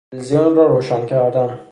تلویزیون را روشن کردن